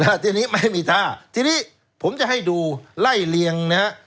ทีนี้ไม่มีท่าทีนี้ผมจะให้ดูไล่เลียงนะฮะ